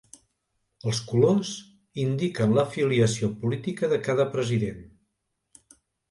Els colors indiquen l'afiliació política de cada president.